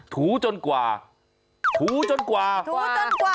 ถูจนกว่าถูจนกว่าถูจนกว่า